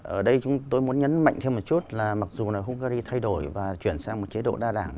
ở đây chúng tôi muốn nhấn mạnh thêm một chút là mặc dù là hungary thay đổi và chuyển sang một chế độ đa đảng